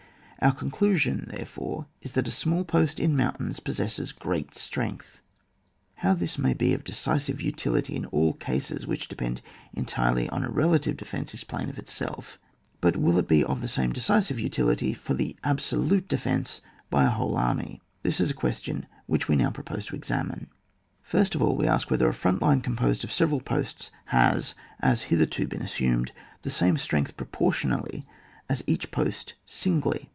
Our conclusion, therefore, is, that a small post in mountains possesses great strength. How this may be of decisive utility in all cases which depend entirely on a relative defence is plain of itself; but will it be of the same decisive utility for the absolute defence by a whole army ? This is the question which we now pro pose to examina First of all we ask whether a front line composed of several posts has, as has hitherto been assumed, the same strength proportionally as each post singly.